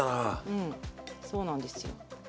うんそうなんですよ。